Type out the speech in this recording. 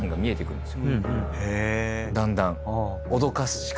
だんだん。